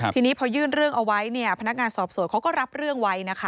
ทีนี้พอยื่นเรื่องเอาไว้เนี่ยพนักงานสอบสวนเขาก็รับเรื่องไว้นะคะ